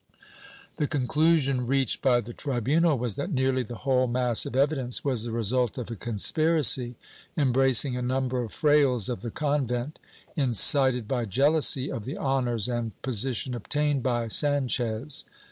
The conclusion reached by the tribunal was that nearly the whole mass of evidence was the result of a conspiracy, em bracing a number of frailes of the convent, incited by jealousy of the honors and position obtained by Sanchez.